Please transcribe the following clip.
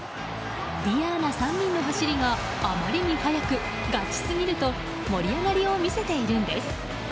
ｄｉａｎａ３人の走りがあまりに速くガチすぎると盛り上がりを見せているんです。